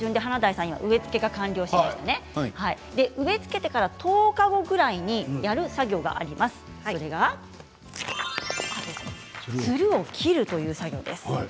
植え付けてから１０日後ぐらいにやる作業があります、それがつるを切るという作業です。